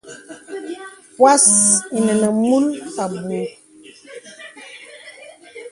Pwas inə nə̀ mūl abù.